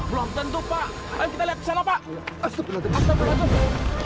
itu blok tentu pak ayo kita lihat kesana pak